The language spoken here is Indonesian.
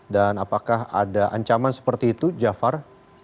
dan apakah ada ancaman seperti itu jafar